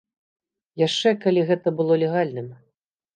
Яшчэ калі гэта было легальным.